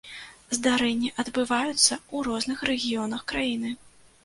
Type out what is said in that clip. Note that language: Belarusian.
Здарэнні адбываюцца ў розных рэгіёнах краіны.